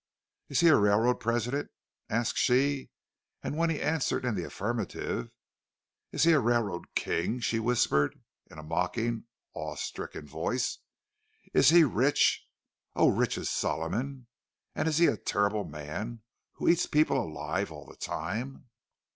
"Is he a railroad president?" asked she; and when he answered in the affirmative, "Is he a railroad king?" she whispered, in a mocking, awe stricken voice, "Is he rich—oh, rich as Solomon—and is he a terrible man, who eats people alive all the time?"